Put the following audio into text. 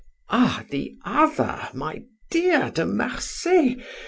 "Ah, the other, my dear De Marsay!